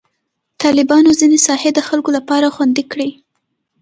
طالبانو ځینې ساحې د خلکو لپاره خوندي کړي.